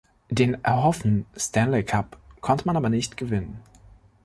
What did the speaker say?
Den erhoffen Stanley Cup konnte man aber nicht gewinnen.